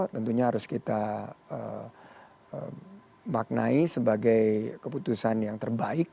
tentunya harus kita maknai sebagai keputusan yang terbaik